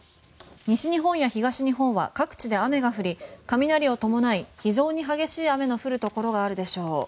西日本や東日本は各地で雨が降り雷を伴い、非常に激しい雨の降るところがあるでしょう。